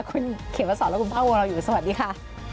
คุณเขียนวัดสอนและคุณฝ้าวงเราอยู่สวัสดีค่ะ